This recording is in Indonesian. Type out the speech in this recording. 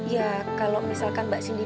ya kalau misalkan mbak sindi